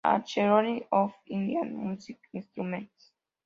Archaeology of Indian Musical Instruments.